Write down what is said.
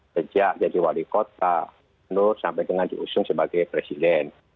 sejak jadi wali kota nur sampai dengan diusung sebagai presiden